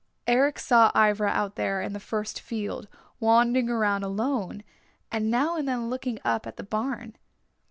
Eric saw Ivra out there in the first field, wandering around alone and now and then looking up at the barn.